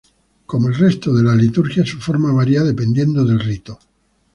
Como el resto de la Liturgia, su forma varía dependiendo del rito.